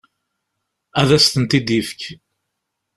Ad asent-t-id-ifek.